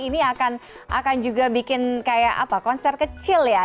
ini akan juga bikin kayak konser kecil ya